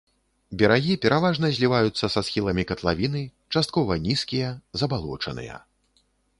Берагі пераважна зліваюцца са схіламі катлавіны, часткова нізкія, забалочаныя.